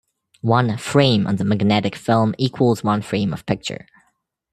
One "frame" on the magnetic film equals one frame of picture.